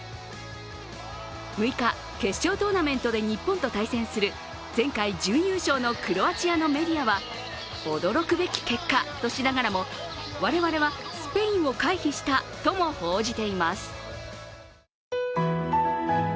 ６日、決勝トーナメントで日本と対戦する前回準優勝のクロアチアのメディアは驚くべき結果としながらも、我々はスペインをＰａｙＰａｙクーポンで！